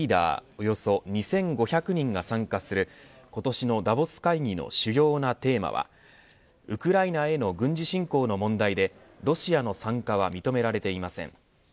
およそ２５００人が参加する今年のダボス会議の主要なテーマはウクライナへの軍事侵攻の問題でロシアの参加は認められていません。